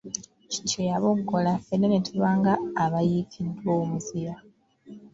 Kityo yaboggola, ffenna ne tuba nga abayiikiddwa omuzira!